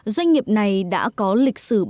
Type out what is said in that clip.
doanh nghiệp này đã có lịch sử ba mươi tám năm